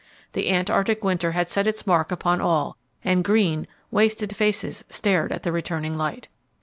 The Antarctic winter had set its mark upon all, and green, wasted faces stared at the returning light.